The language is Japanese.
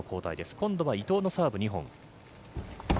今度は伊藤のサーブ、２本。